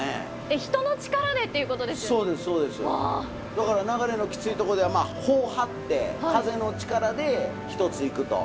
だから流れのきついとこでは帆を張って風の力でひとつ行くと。